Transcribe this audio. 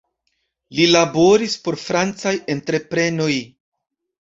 Li laboris por francaj entreprenoj.